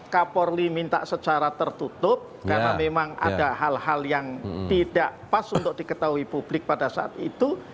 kapolri minta secara tertutup karena memang ada hal hal yang tidak pas untuk diketahui publik pada saat itu